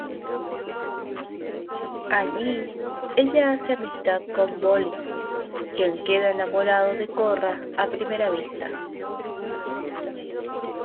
Allí ella hace amistad con Bolin, quien queda enamorado de Korra a primera vista.